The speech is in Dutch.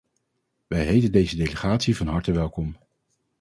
Wij heten deze delegatie van harte welkom.